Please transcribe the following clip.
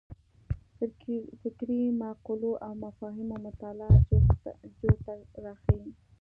فکري مقولو او مفاهیمو مطالعه جوته راښيي.